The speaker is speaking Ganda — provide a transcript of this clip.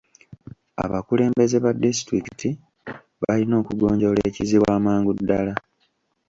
Abakulembeze ba disitulikiti balina okugonjoola ekizibu amangu ddala.